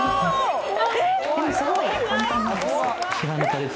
でも、すごい簡単なんですよ。